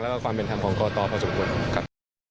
แล้วก็ความเป็นธรรมของกตพอสมควรครับ